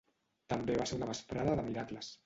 També va ser una vesprada de miracles.